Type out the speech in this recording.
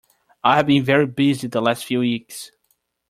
I've been very busy the last few weeks.